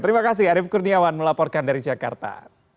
terima kasih arief kurniawan melaporkan dari jakarta